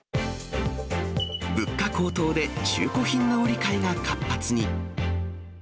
物価高騰で中古品の売り買いが活発に。